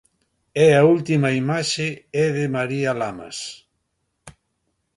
E a última imaxe é de María Lamas.